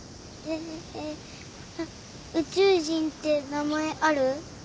えー宇宙人って名前ある？